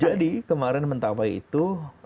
jadi kemarin mentawai itu